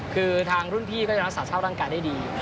คือทางรุ่นพี่ก็จะรักษาสภาพร่างกายได้ดี